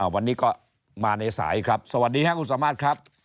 วันนี้ก็มาในสายครับสวัสดีครับคุณสามารถครับ